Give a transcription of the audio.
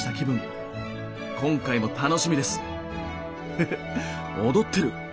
フフ踊ってる。